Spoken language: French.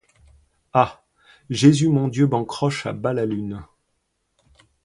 Ah Jésus-mon-Dieu-bancroche-à-bas-la-lune!